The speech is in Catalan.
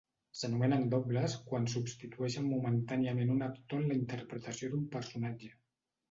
S'anomenen dobles quan substitueixen momentàniament un actor en la interpretació d'un personatge.